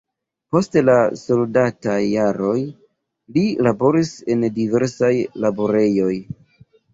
Post la soldataj jaroj li laboris en diversaj laborejoj.